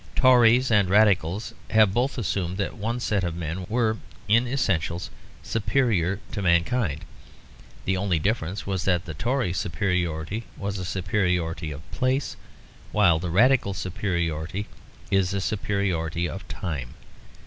Tories and Radicals have both assumed that one set of men were in essentials superior to mankind. The only difference was that the Tory superiority was a superiority of place; while the Radical superiority is a superiority of time.